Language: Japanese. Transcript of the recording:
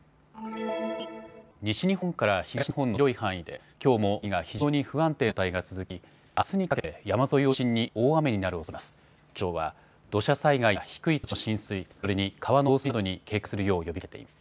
西日本から東日本の広い範囲できょうも大気が非常に不安定な状態が続きあすにかけて山沿いを中心に大雨になるおそれがあります。